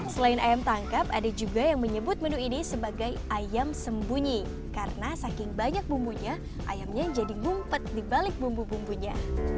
selain ayam tangkap ada juga yang menyebut menu ini sebagai ayam sembunyi karena saking banyak bumbunya ayamnya jadi ngumpet dibalik bumbu bumbunya